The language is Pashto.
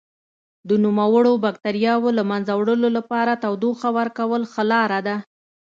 د نوموړو بکټریاوو له منځه وړلو لپاره تودوخه ورکول ښه لاره ده.